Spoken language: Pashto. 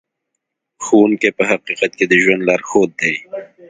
ښوونکی په حقیقت کې د ژوند لارښود دی.